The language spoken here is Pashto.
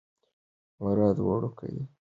مراد وړوکی و.